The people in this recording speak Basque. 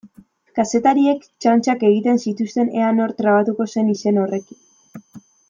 Kazetariek txantxak egiten zituzten ea nor trabatuko zen izen horrekin.